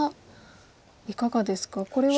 いかがですかこれは。